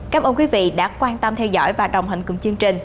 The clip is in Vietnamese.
cảm ơn quý vị đã quan tâm theo dõi và đồng hành cùng chương trình